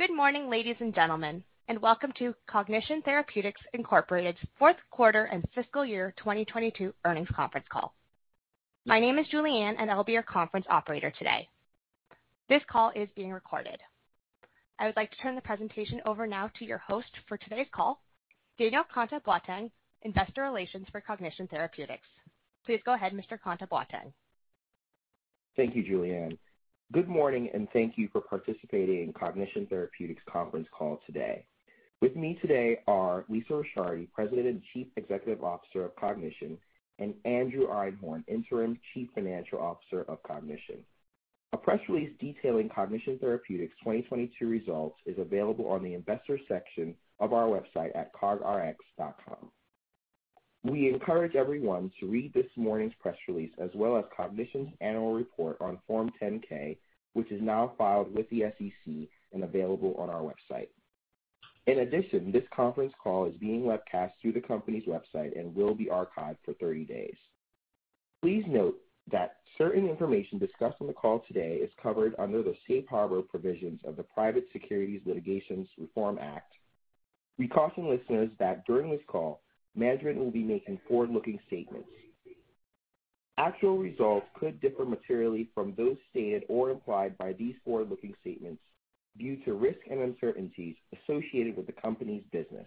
Good morning, ladies and gentlemen. Welcome to Cognition Therapeutics Inc fourth quarter and fiscal year 2022 earnings conference call. My name is Julianne. I'll be your conference operator today. This call is being recorded. I would like to turn the presentation over now to your host for today's call, Daniel Kontoh-Boateng, Investor Relations for Cognition Therapeutics. Please go ahead, Mr. Kontoh-Boateng. Thank you, Julianne. Good morning, and thank you for participating in Cognition Therapeutics conference call today. With me today are Lisa Ricciardi, President and Chief Executive Officer of Cognition, and Andrew Einhorn, Interim Chief Financial Officer of Cognition. A press release detailing Cognition Therapeutics' 2022 results is available on the Investors section of our website at cogrx.com. We encourage everyone to read this morning's press release, as well as Cognition's annual report on Form 10-K, which is now filed with the SEC and available on our website. This conference call is being webcast through the company's website and will be archived for 30 days. Please note that certain information discussed on the call today is covered under the safe harbor provisions of the Private Securities Litigation Reform Act. We caution listeners that during this call, management will be making forward-looking statements. Actual results could differ materially from those stated or implied by these forward-looking statements due to risks and uncertainties associated with the company's business.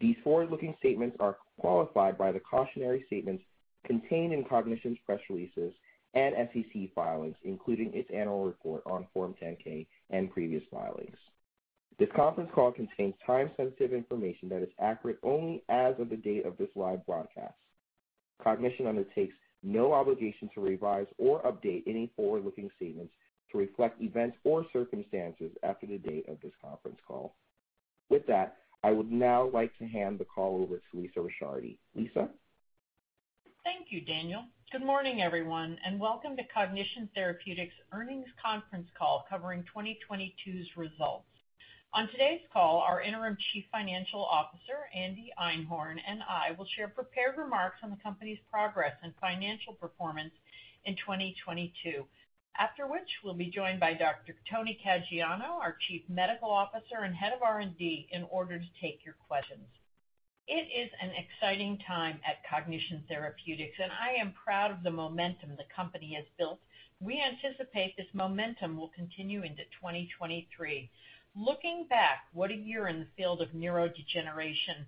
These forward-looking statements are qualified by the cautionary statements contained in Cognition's press releases and SEC filings, including its annual report on Form 10-K and previous filings. This conference call contains time-sensitive information that is accurate only as of the date of this live broadcast. Cognition undertakes no obligation to revise or update any forward-looking statements to reflect events or circumstances after the date of this conference call. With that, I would now like to hand the call over to Lisa Ricciardi. Lisa? Thank you, Daniel. Good morning, everyone, and welcome to Cognition Therapeutics' earnings conference call covering 2022's results. On today's call, our Interim Chief Financial Officer, Andy Einhorn, and I will share prepared remarks on the company's progress and financial performance in 2022. After which we'll be joined by Dr. Tony Caggiano, our Chief Medical Officer and Head of R&D, in order to take your questions. It is an exciting time at Cognition Therapeutics, and I am proud of the momentum the company has built. We anticipate this momentum will continue into 2023. Looking back, what a year in the field of neurodegeneration.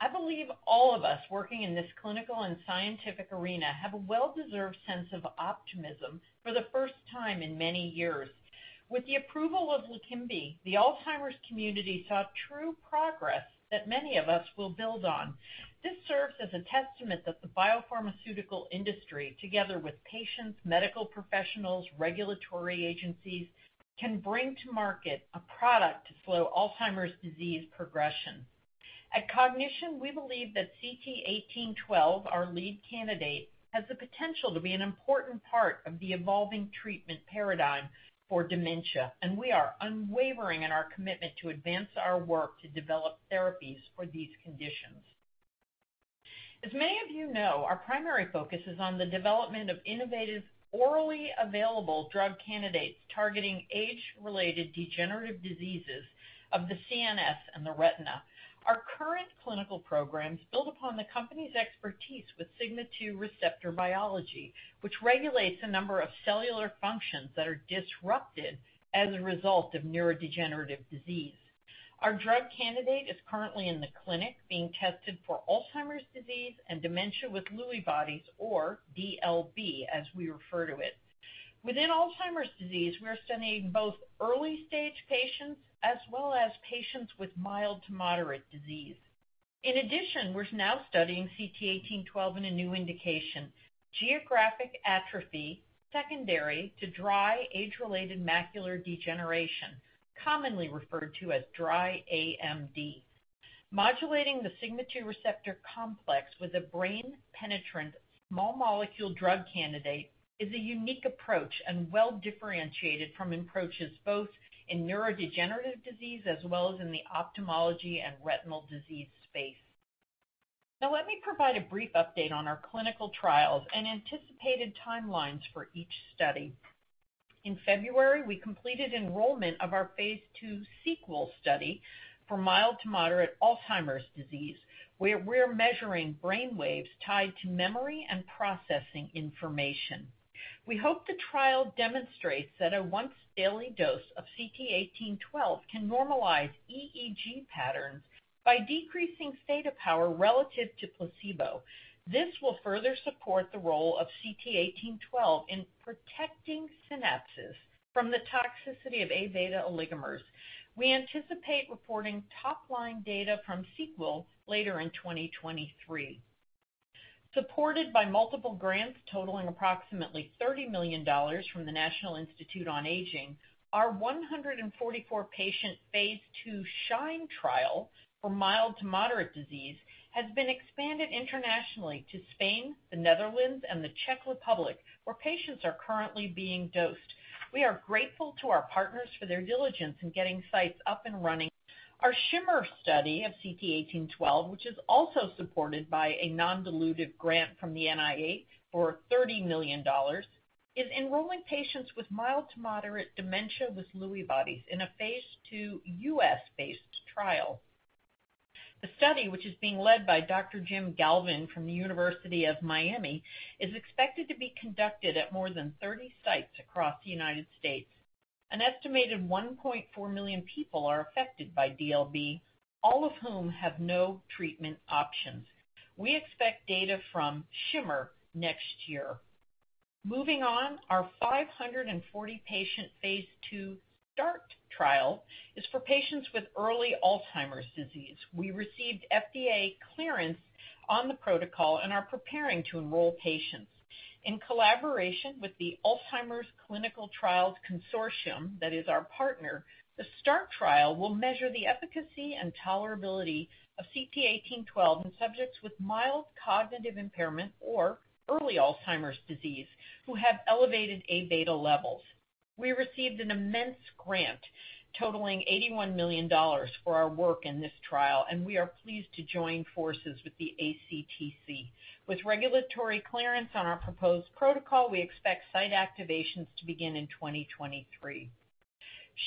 I believe all of us working in this clinical and scientific arena have a well-deserved sense of optimism for the first time in many years. With the approval of LEQEMBI, the Alzheimer's community saw true progress that many of us will build on. This serves as a testament that the biopharmaceutical industry, together with patients, medical professionals, regulatory agencies, can bring to market a product to slow Alzheimer's disease progression. At Cognition, we believe that CT1812, our lead candidate, has the potential to be an important part of the evolving treatment paradigm for dementia, and we are unwavering in our commitment to advance our work to develop therapies for these conditions. As many of you know, our primary focus is on the development of innovative, orally available drug candidates targeting age-related degenerative diseases of the CNS and the retina. Our current clinical programs build upon the company's expertise with sigma-2 receptor biology, which regulates a number of cellular functions that are disrupted as a result of neurodegenerative disease. Our drug candidate is currently in the clinic being tested for Alzheimer's disease and dementia with Lewy bodies or DLB, as we refer to it. Within Alzheimer's disease, we are studying both early-stage patients as well as patients with mild to moderate disease. In addition, we're now studying CT1812 in a new indication, geographic atrophy secondary to dry age-related macular degeneration, commonly referred to as dry AMD. Modulating the sigma-2 receptor complex with a brain-penetrant small molecule drug candidate is a unique approach and well-differentiated from approaches both in neurodegenerative disease as well as in the ophthalmology and retinal disease space. Now let me provide a brief update on our clinical trials and anticipated timelines for each study. In February, we completed enrollment of our phase II SEQUEL study for mild to moderate Alzheimer's disease, where we're measuring brainwaves tied to memory and processing information. We hope the trial demonstrates that a once-daily dose of CT1812 can normalize EEG patterns by decreasing theta power relative to placebo. This will further support the role of CT1812 in protecting synapses from the toxicity of Aβ oligomers. We anticipate reporting top-line data from SEQUEL later in 2023. Supported by multiple grants totaling approximately $30 million from the National Institute on Aging, our 144-patient phase II SHINE trial for mild to moderate disease has been expanded internationally to Spain, the Netherlands, and the Czech Republic, where patients are currently being dosed. We are grateful to our partners for their diligence in getting sites up and running. Our SHIMMER study of CT1812, which is also supported by a non-dilutive grant from the NIA for $30 million, is enrolling patients with mild to moderate dementia with Lewy bodies in a phase II U.S.-based trial. The study, which is being led by Dr. Jim Galvin from the University of Miami, is expected to be conducted at more than 30 sites across the United States. An estimated 1.4 million people are affected by DLB, all of whom have no treatment options. We expect data from SHIMMER next year. Moving on. Our 540-patient phase II START trial is for patients with early Alzheimer's disease. We received FDA clearance on the protocol and are preparing to enroll patients. In collaboration with the Alzheimer's Clinical Trials Consortium, that is our partner, the START trial will measure the efficacy and tolerability of CT1812 in subjects with mild cognitive impairment or early Alzheimer's disease who have elevated Aβ levels. We received an immense grant totaling $81 million for our work in this trial. We are pleased to join forces with the ACTC. With regulatory clearance on our proposed protocol, we expect site activations to begin in 2023.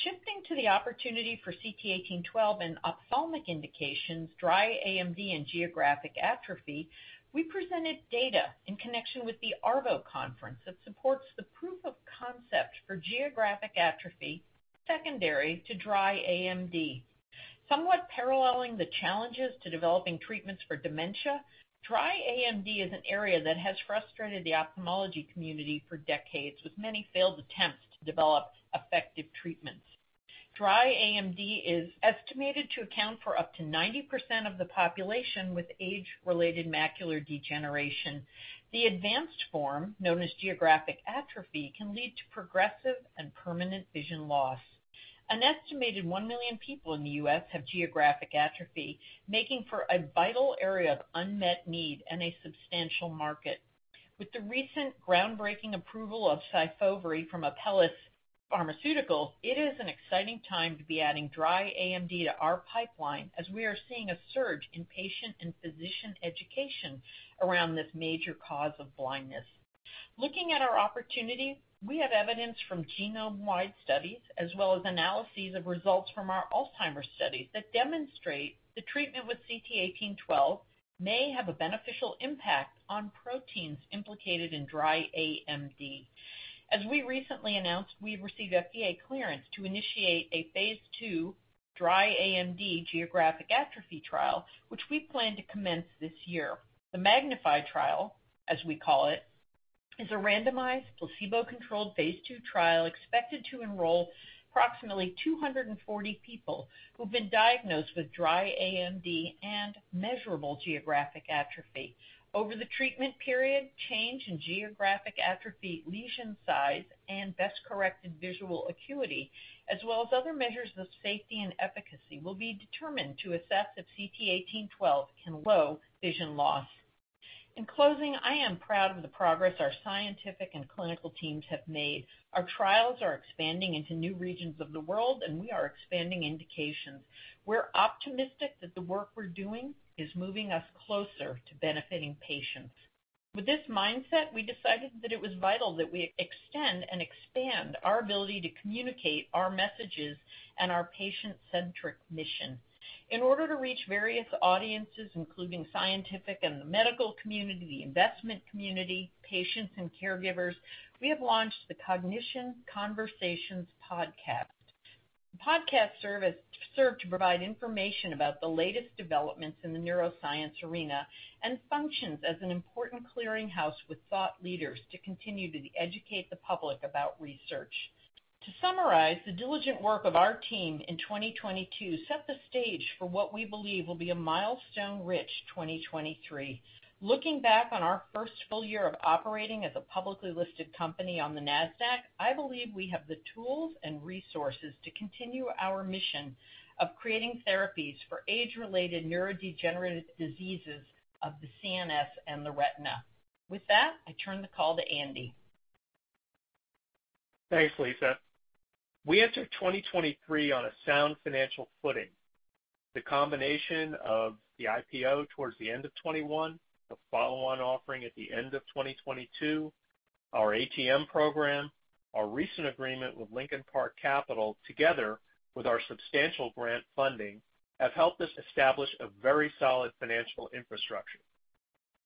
Shifting to the opportunity for CT1812 and ophthalmic indications, dry AMD and geographic atrophy, we presented data in connection with the ARVO conference that supports the proof of concept for geographic atrophy secondary to dry AMD. Somewhat paralleling the challenges to developing treatments for dementia, dry AMD is an area that has frustrated the ophthalmology community for decades, with many failed attempts to develop effective treatments. Dry AMD is estimated to account for up to 90% of the population with age-related macular degeneration. The advanced form, known as geographic atrophy, can lead to progressive and permanent vision loss. An estimated one million people in the U.S. have geographic atrophy, making for a vital area of unmet need and a substantial market. With the recent groundbreaking approval of SYFOVRE from Apellis Pharmaceuticals, it is an exciting time to be adding dry AMD to our pipeline as we are seeing a surge in patient and physician education around this major cause of blindness. Looking at our opportunity, we have evidence from genome-wide studies as well as analyses of results from our Alzheimer's studies that demonstrate the treatment with CT1812 may have a beneficial impact on proteins implicated in dry AMD. As we recently announced, we received FDA clearance to initiate a phase II dry AMD geographic atrophy trial, which we plan to commence this year. The MAGNIFY trial, as we call it, is a randomized placebo-controlled phase II trial expected to enroll approximately 240 people who've been diagnosed with dry AMD and measurable geographic atrophy. Over the treatment period, change in geographic atrophy lesion size, and best corrected visual acuity, as well as other measures of safety and efficacy, will be determined to assess if CT1812 can low vision loss. In closing, I am proud of the progress our scientific and clinical teams have made. Our trials are expanding into new regions of the world, and we are expanding indications. We're optimistic that the work we're doing is moving us closer to benefiting patients. With this mindset, we decided that it was vital that we extend and expand our ability to communicate our messages and our patient-centric mission. In order to reach various audiences, including scientific and the medical community, investment community, patients and caregivers, we have launched the Cognition Conversations podcast. The podcast serves to provide information about the latest developments in the neuroscience arena and functions as an important clearing house with thought leaders to continue to educate the public about research. To summarize, the diligent work of our team in 2022 set the stage for what we believe will be a milestone-rich 2023. Looking back on our first full year of operating as a publicly listed company on the Nasdaq, I believe we have the tools and resources to continue our mission of creating therapies for age-related neurodegenerative diseases of the CNS and the retina. With that, I turn the call to Andy. Thanks, Lisa. We enter 2023 on a sound financial footing. The combination of the IPO towards the end of 2021, the follow-on offering at the end of 2022, our ATM program, our recent agreement with Lincoln Park Capital, together with our substantial grant funding, have helped us establish a very solid financial infrastructure.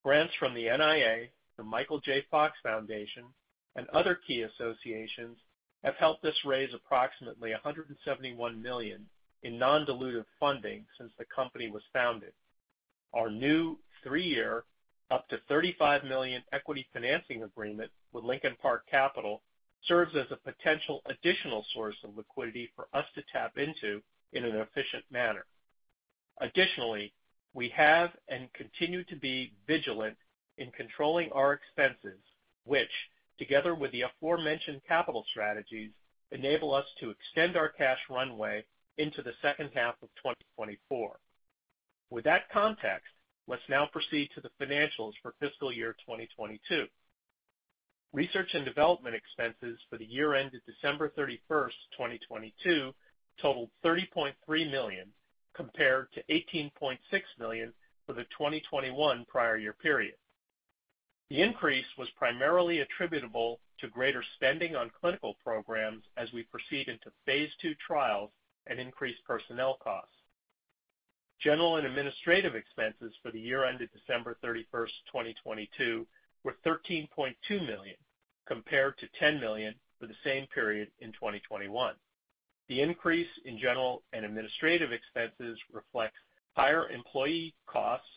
Grants from the NIA, The Michael J. Fox Foundation, and other key associations have helped us raise approximately $171 million in non-dilutive funding since the company was founded. Our new three-year, up to $35 million equity financing agreement with Lincoln Park Capital serves as a potential additional source of liquidity for us to tap into in an efficient manner. Additionally, we have and continue to be vigilant in controlling our expenses, which, together with the aforementioned capital strategies, enable us to extend our cash runway into the second half of 2024. With that context, let's now proceed to the financials for fiscal year 2022. Research and development expenses for the year ended December 31, 2022, totaled $30.3 million. Compared to $18.6 million for the 2021 prior-year period. The increase was primarily attributable to greater spending on clinical programs as we proceed into phase II trials and increased personnel costs. General and administrative expenses for the year ended December 31st, 2022, were $13.2 million, compared to $10 million for the same period in 2021. The increase in general and administrative expenses reflect higher employee costs,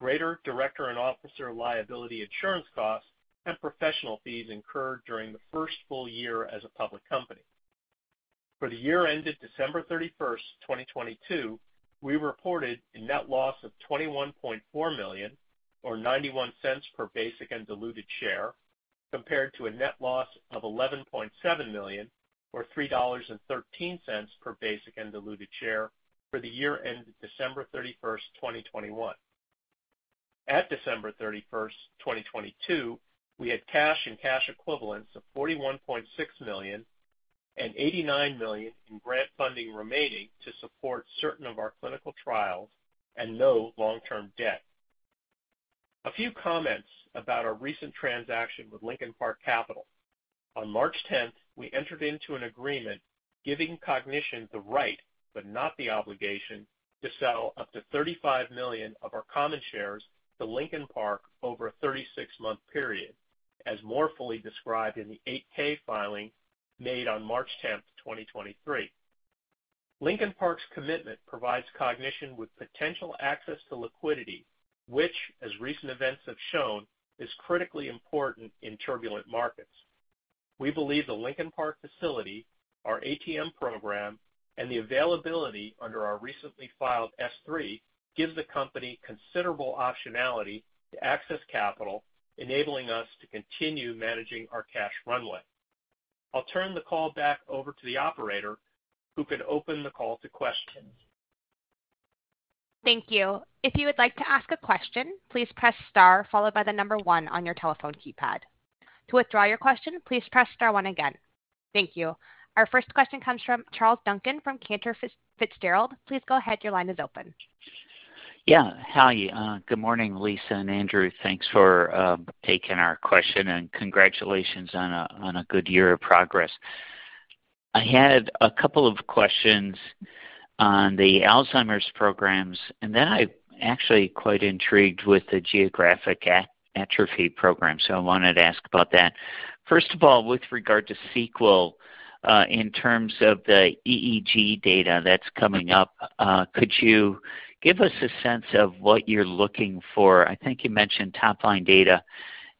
greater director and officer liability insurance costs, and professional fees incurred during the first full year as a public company. For the year ended December 31st, 2022, we reported a net loss of $21.4 million, or $0.91 per basic and diluted share, compared to a net loss of $11.7 million, or $3.13 per basic and diluted share for the year ended December 31st, 2021. At December 31st, 2022, we had cash and cash equivalents of $41.6 million and $89 million in grant funding remaining to support certain of our clinical trials and no long-term debt. A few comments about our recent transaction with Lincoln Park Capital. On March 10th, we entered into an agreement giving Cognition the right, but not the obligation, to sell up to $35 million of our common shares to Lincoln Park over a 36-month period, as more fully described in the 8-K filing made on March 10th, 2023. Lincoln Park's commitment provides Cognition with potential access to liquidity, which, as recent events have shown, is critically important in turbulent markets. We believe the Lincoln Park facility, our ATM program, and the availability under our recently filed S-3 gives the company considerable optionality to access capital, enabling us to continue managing our cash runway. I'll turn the call back over to the operator, who can open the call to questions. Thank you. If you would like to ask a question, please press star followed by one on your telephone keypad. To withdraw your question, please press star one again. Thank you. Our first question comes from Charles Duncan from Cantor Fitzgerald. Please go ahead. Your line is open. Yeah. Hi. Good morning, Lisa and Andrew. Thanks for taking our question, congratulations on a good year of progress. I had a couple of questions on the Alzheimer's programs, then I'm actually quite intrigued with the geographic atrophy program. I wanted to ask about that. First of all, with regard to SEQUEL, in terms of the EEG data that's coming up, could you give us a sense of what you're looking for? I think you mentioned top-line data.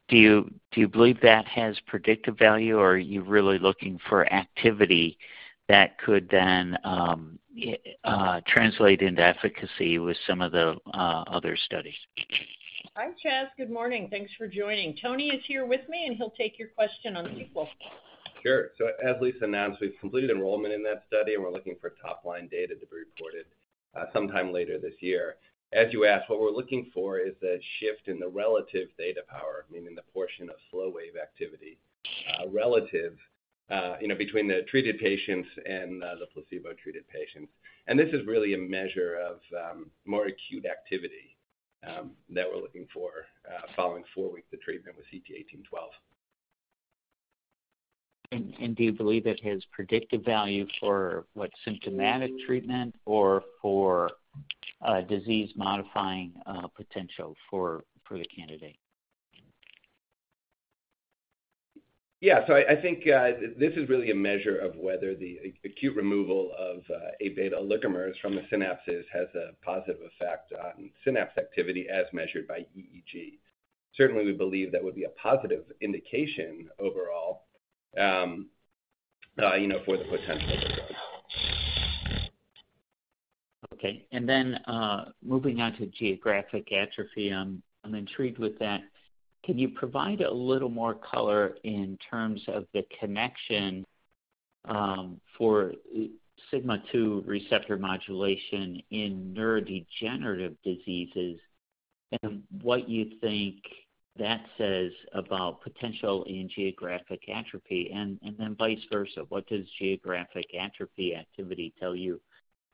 Do you believe that has predictive value, or are you really looking for activity that could then translate into efficacy with some of the other studies? Hi, Charles. Good morning. Thanks for joining. Tony is here with me, and he'll take your question on SEQUEL. Sure. As Lisa announced, we've completed enrollment in that study, and we're looking for top-line data to be reported sometime later this year. As you asked, what we're looking for is a shift in the relative theta power, meaning the portion of slow wave activity, relative, you know, between the treated patients and the placebo-treated patients. This is really a measure of more acute activity that we're looking for following four weeks of treatment with CT1812. Do you believe it has predictive value for what symptomatic treatment or for, disease modifying, potential for the candidate? Yeah. I think, this is really a measure of whether the acute removal of Aβ oligomers from the synapses has a positive effect on synapse activity as measured by EEG. Certainly, we believe that would be a positive indication overall, you know, for the potential of the drug. Okay. Moving on to geographic atrophy, I'm intrigued with that. Can you provide a little more color in terms of the connection for sigma-2 receptor modulation in neurodegenerative diseases and what you think that says about potential in geographic atrophy? Vice versa, what does geographic atrophy activity tell you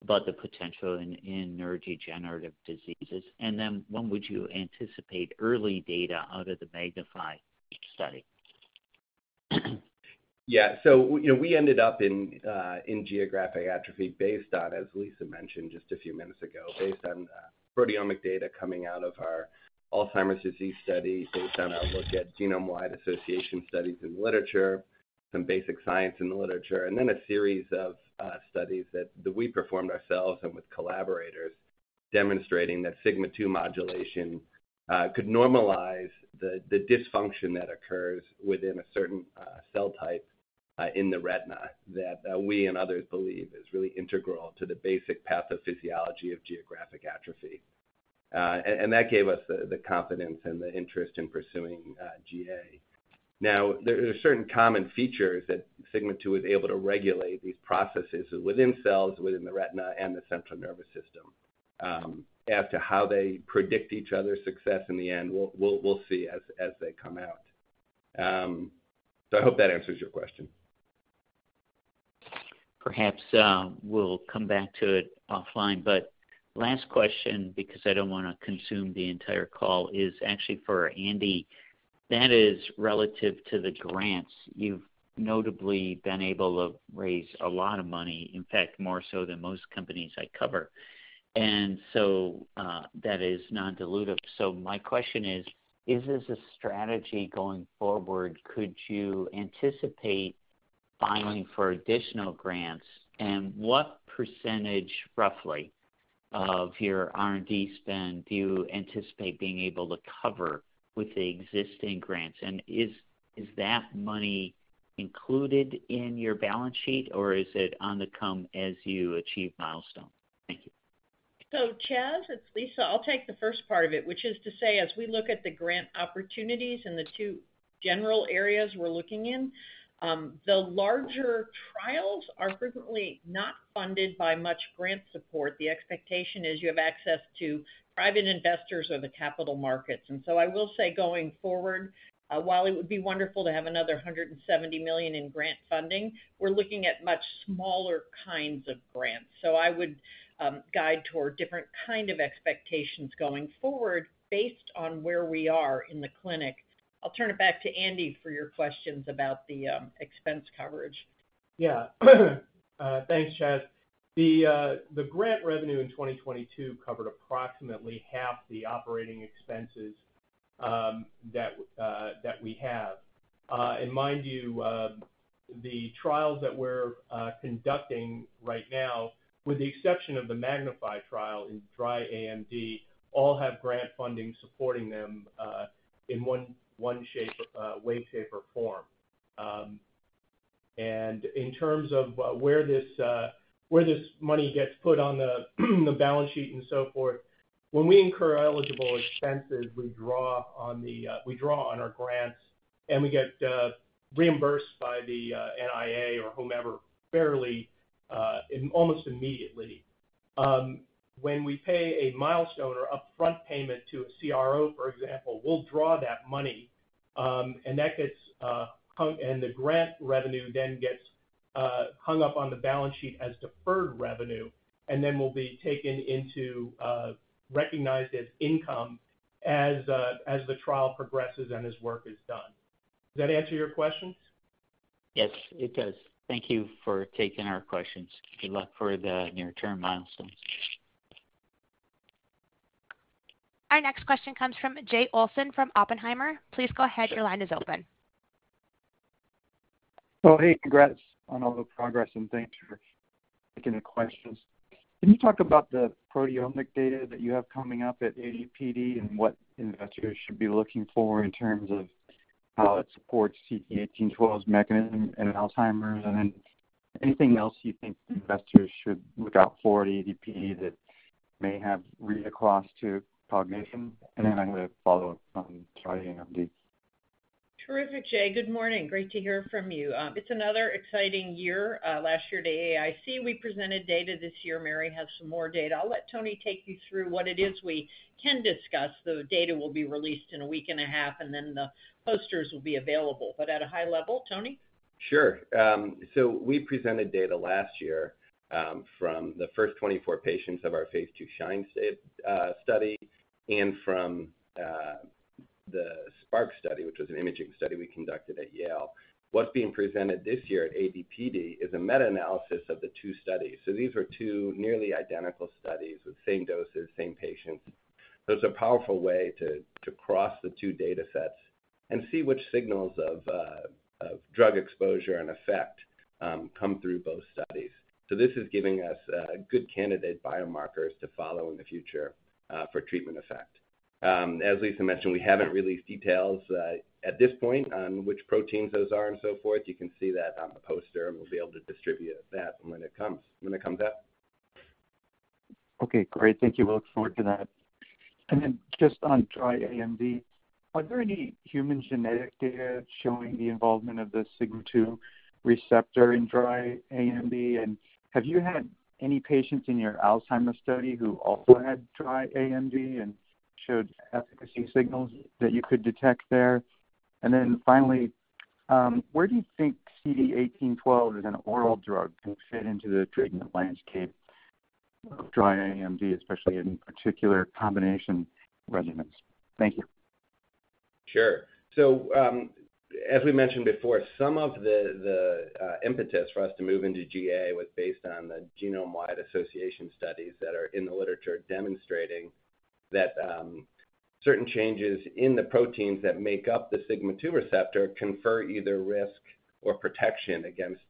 about the potential in neurodegenerative diseases? When would you anticipate early data out of the MAGNIFY study? Yeah. You know, we ended up in geographic atrophy based on, as Lisa mentioned just a few minutes ago, based on proteomic data coming out of our Alzheimer's disease study, based on our look at genome-wide association studies in literature, some basic science in the literature, and then a series of studies that we performed ourselves and with collaborators demonstrating that sigma-2 modulation could normalize the dysfunction that occurs within a certain cell type in the retina that we and others believe is really integral to the basic pathophysiology of geographic atrophy. That gave us the confidence and the interest in pursuing GA. Now, there are certain common features that sigma-2 is able to regulate these processes within cells, within the retina and the central nervous system. As to how they predict each other's success in the end, we'll see as they come out. I hope that answers your question. Perhaps, we'll come back to it offline. Last question, because I don't wanna consume the entire call, is actually for Andy. That is relative to the grants. You've notably been able to raise a lot of money, in fact, more so than most companies I cover. That is non-dilutive. My question is, is this a strategy going forward? Could you anticipate filing for additional grants? What percentage, roughly, of your R&D spend do you anticipate being able to cover with the existing grants? Is that money included in your balance sheet, or is it on the come as you achieve milestones? Thank you. Charles, it's Lisa. I'll take the first part of it, which is to say, as we look at the grant opportunities and the two general areas we're looking in, the larger trials are frequently not funded by much grant support. The expectation is you have access to private investors or the capital markets. I will say going forward, while it would be wonderful to have another $170 million in grant funding, we're looking at much smaller kinds of grants. I would guide toward different kind of expectations going forward based on where we are in the clinic. I'll turn it back to Andy for your questions about the expense coverage. Yeah. Thanks. Charles, the grant revenue in 2022 covered approximately half the operating expenses that we have. Mind you, the trials that we're conducting right now, with the exception of the MAGNIFY trial in dry AMD, all have grant funding supporting them in one way, shape, or form. In terms of where this money gets put on the balance sheet and so forth, when we incur eligible expenses, we draw on our grants, and we get reimbursed by the NIA or whomever fairly and almost immediately. When we pay a milestone or upfront payment to a CRO, for example, we'll draw that money, and the grant revenue then gets hung up on the balance sheet as deferred revenue, and then will be taken into recognized as income as the trial progresses and as work is done. Does that answer your questions? Yes, it does. Thank you for taking our questions. Good luck for the near-term milestones. Our next question comes from Jay Olson from Oppenheimer. Please go ahead. Your line is open. Well, hey, congrats on all the progress, and thanks for taking the questions. Can you talk about the proteomic data that you have coming up at ADPD and what investors should be looking for in terms of how it supports CT1812's mechanism in Alzheimer's? Anything else you think investors should look out for at ADPD that may have read across to Cognition? I'm gonna follow up on dry AMD. Terrific, Jay. Good morning. Great to hear from you. It's another exciting year. Last year at AAIC, we presented data. This year, Mary has some more data. I'll let Tony take you through what it is we can discuss, though data will be released in a week and a half, and then the posters will be available. At a high level, Tony? Sure. We presented data last year from the first 24 patients of our phase II SHINE study and from the SPARC study, which was an imaging study we conducted at Yale. What's being presented this year at ADPD is a meta-analysis of the two studies. These are two nearly identical studies with same doses, same patients. It's a powerful way to cross the two datasets and see which signals of drug exposure and effect come through both studies. This is giving us good candidate biomarkers to follow in the future for treatment effect. As Lisa mentioned, we haven't released details at this point on which proteins those are and so forth. You can see that on the poster, and we'll be able to distribute that when it comes up. Okay, great. Thank you. We'll look forward to that. Just on dry AMD, are there any human genetic data showing the involvement of the sigma-2 receptor in dry AMD? Have you had any patients in your Alzheimer's study who also had dry AMD and showed efficacy signals that you could detect there? Finally, where do you think CT1812 as an oral drug can fit into the treatment landscape of dry AMD, especially in particular combination regimens? Thank you. Sure. As we mentioned before, some of the impetus for us to move into GA was based on the genome-wide association studies that are in the literature demonstrating that certain changes in the proteins that make up the sigma-2 receptor confer either risk or protection against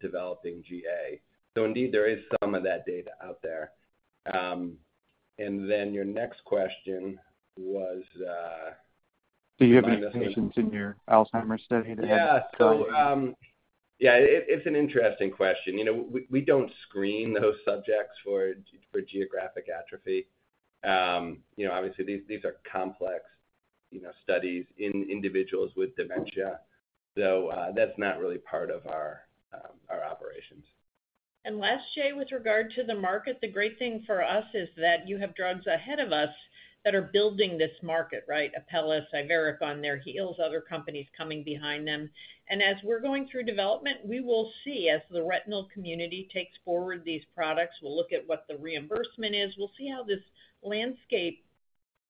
developing GA. Indeed, there is some of that data out there. And then your next question was? Do you have any patients in your Alzheimer's study that had dry AMD? Yeah. Yeah, it's an interesting question. You know, we don't screen those subjects for geographic atrophy. You know, obviously, these are complex, you know, studies in individuals with dementia. That's not really part of our operations. Last, Jay, with regard to the market, the great thing for us is that you have drugs ahead of us that are building this market, right? Apellis, Iveric on their heels, other companies coming behind them. As we're going through development, we will see. As the retinal community takes forward these products, we'll look at what the reimbursement is. We'll see how this landscape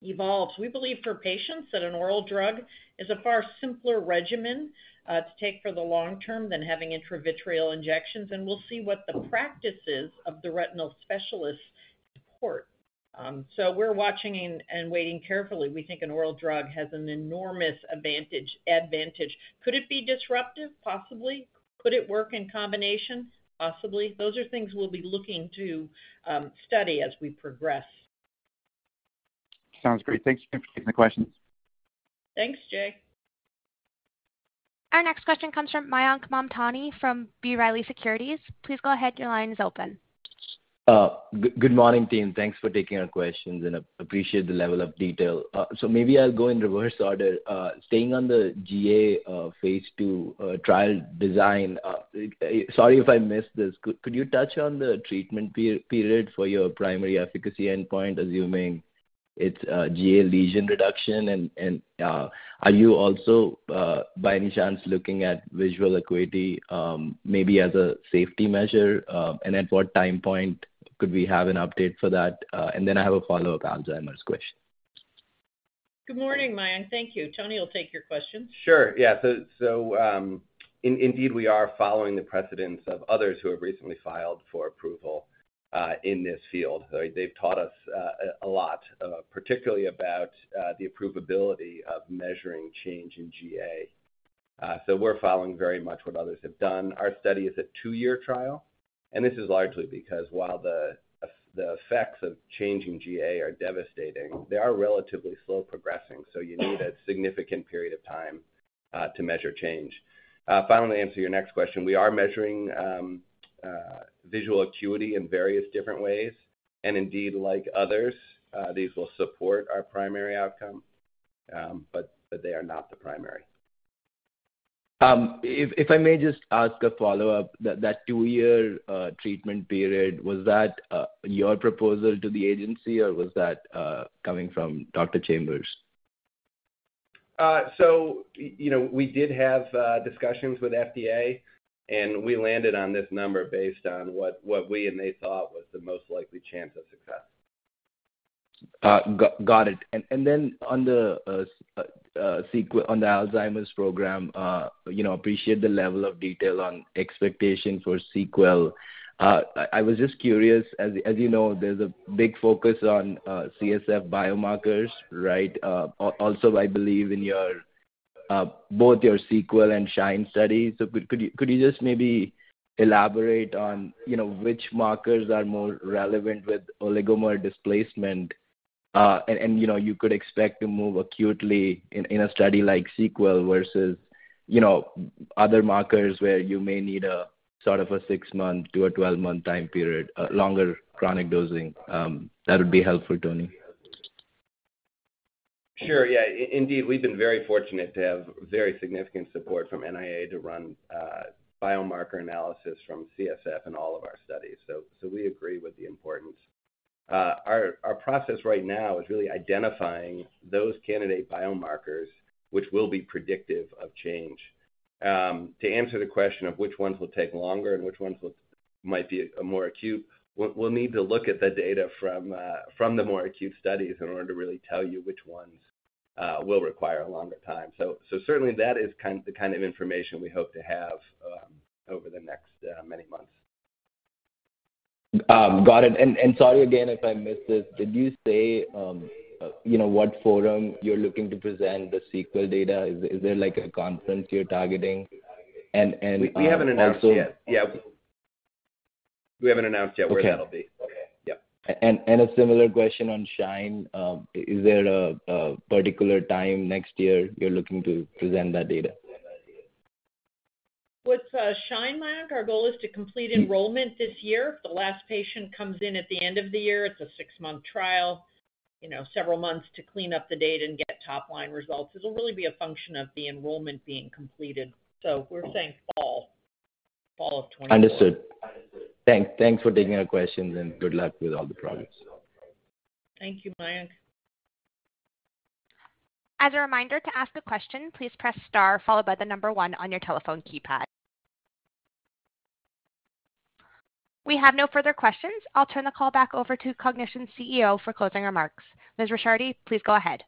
evolves. We believe for patients that an oral drug is a far simpler regimen to take for the long term than having intravitreal injections, and we'll see what the practices of the retinal specialists' support. So we're watching and waiting carefully. We think an oral drug has an enormous advantage. Could it be disruptive? Possibly. Could it work in combination? Possibly. Those are things we'll be looking to study as we progress. Sounds great. Thanks again for taking the questions. Thanks, Jay. Our next question comes from Mayank Mamtani from B. Riley Securities. Please go ahead, your line is open. Good morning, team. Thanks for taking our questions, and appreciate the level of detail. Maybe I'll go in reverse order. Staying on the GA, phase II, trial design, sorry if I missed this. Could you touch on the treatment period for your primary efficacy endpoint, assuming it's a GA lesion reduction? Are you also by any chance looking at visual acuity, maybe as a safety measure? At what time point could we have an update for that? And I have a follow-up Alzheimer's question. Good morning, Mayank. Thank you. Tony will take your question. Sure. Yeah. Indeed, we are following the precedents of others who have recently filed for approval in this field. They've taught us a lot, particularly about the approvability of measuring change in GA. We're following very much what others have done. Our study is a two-year trial, and this is largely because while the effects of changing GA are devastating, they are relatively slow progressing, so you need a significant period of time to measure change. Finally, to answer your next question, we are measuring visual acuity in various different ways. Indeed, like others, these will support our primary outcome, but they are not the primary. If I may just ask a follow-up. That two-year treatment period, was that your proposal to the agency, or was that coming from Dr. Chambers? You know, we did have discussions with FDA, and we landed on this number based on what we and they thought was the most likely chance of success. Got it. And then on the SEQUEL on the Alzheimer's program, you know, appreciate the level of detail on expectations for SEQUEL. I was just curious, as you know, there's a big focus on CSF biomarkers, right? Also, I believe in your, both your SEQUEL and SHINE studies. Could you just maybe elaborate on, you know, which markers are more relevant with oligomer displacement, and you know, you could expect to move acutely in a study like SEQUEL versus, you know, other markers where you may need a sort of a six-month to a 12-month time period, longer chronic dosing? That would be helpful, Tony. Sure. Yeah. Indeed, we've been very fortunate to have very significant support from NIA to run biomarker analysis from CSF in all of our studies. We agree with the importance. Our process right now is really identifying those candidate biomarkers which will be predictive of change. To answer the question of which ones will take longer and which ones might be a more acute, we'll need to look at the data from the more acute studies in order to really tell you which ones will require a longer time. Certainly that is the kind of information we hope to have over the next many months. Got it. Sorry again if I missed it. Did you say, you know, what forum you're looking to present the SEQUEL data? Is there like a conference you're targeting? We haven't announced yet. Also- Yeah. We haven't announced yet where that'll be. Okay. Yeah. A similar question on SHINE. Is there a particular time next year you're looking to present that data? With SHINE, Mayank, our goal is to complete enrollment this year. If the last patient comes in at the end of the year, it's a six-month trial, you know, several months to clean up the data and get top-line results. It'll really be a function of the enrollment being completed. We're saying fall of 2024. Understood. Thanks for taking our questions, and good luck with all the progress. Thank you, Mayank. As a reminder to ask a question, please press star followed by the number one on your telephone keypad. We have no further questions. I'll turn the call back over to Cognition's CEO for closing remarks. Ms. Ricciardi, please go ahead.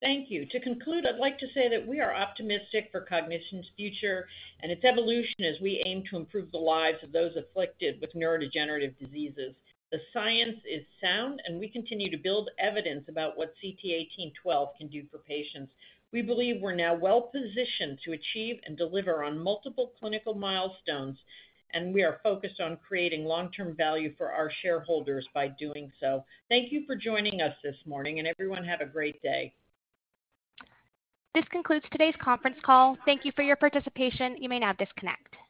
Thank you. To conclude, I'd like to say that we are optimistic for Cognition's future and its evolution as we aim to improve the lives of those afflicted with neurodegenerative diseases. The science is sound, and we continue to build evidence about what CT1812 can do for patients. We believe we're now well positioned to achieve and deliver on multiple clinical milestones, and we are focused on creating long-term value for our shareholders by doing so. Thank you for joining us this morning, and everyone have a great day. This concludes today's conference call. Thank you for your participation. You may now disconnect.